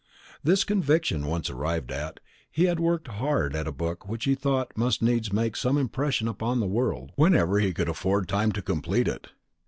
This conviction once arrived at, he had worked hard at a book which he thought must needs make some impression upon the world whenever he could afford time to complete it.